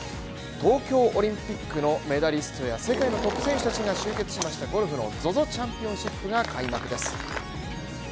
東京オリンピックのメダリストや世界のトップ選手たちが集結しましたゴルフのＺＯＺＯチャンピオンシップが開幕です。